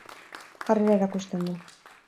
Jarrera erakusten du.